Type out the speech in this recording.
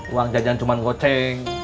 uang jajan cuman goceng